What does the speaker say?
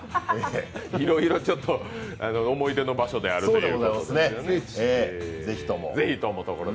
いろいろ思い出の場所であるという。